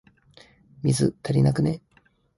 水、足りなくね？